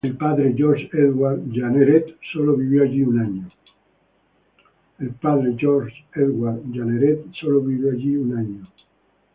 El padre, Georges-Édouard Jeanneret, solo vivió allí un año.